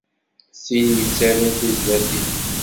D tin yettarun tizlatin.